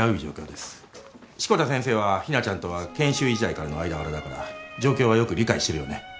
志子田先生は日菜ちゃんとは研修医時代からの間柄だから状況はよく理解してるよね。